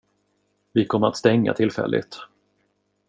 Vi kommer att stänga tillfälligt.